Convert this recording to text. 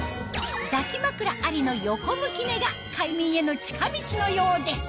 抱き枕ありの横向き寝が快眠への近道のようです